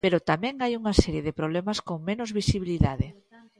Pero tamén hai unha serie de problemas con menos visibilidade.